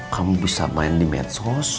kamu bisa main di medsos